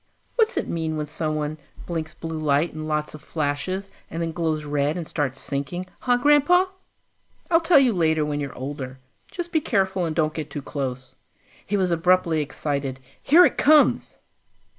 "What's it mean when someone blinks blue light in lots of flashes, and then glows red and starts sinking, huh, Grandpa?" "I'll tell you later when you're older. Just be careful and don't get too close." He was abruptly excited. "Here it comes!"